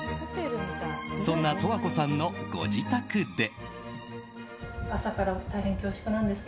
そんな十和子さんのご自宅で。